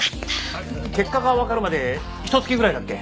結果がわかるまでひと月ぐらいだっけ？